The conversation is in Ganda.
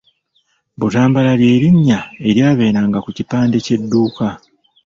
Butambala lye linnya eryabeeranga ku kipande ky'edduuka.